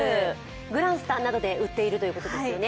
グランスタなどで売っているということですよね。